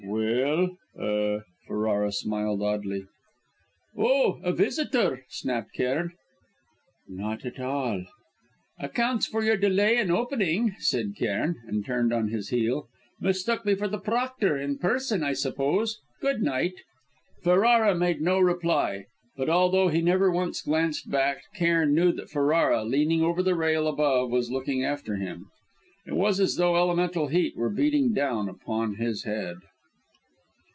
"Well er " Ferrara smiled oddly. "Oh, a visitor?" snapped Cairn. "Not at all." "Accounts for your delay in opening," said Cairn, and turned on his heel. "Mistook me for the proctor, in person, I suppose. Good night." Ferrara made no reply. But, although he never once glanced back, Cairn knew that Ferrara, leaning over the rail, above, was looking after him; it was as though elemental heat were beating down upon his head.